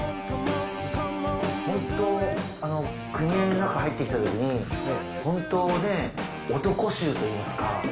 組合の中に入ってきたときに本当ね男衆！といいますか。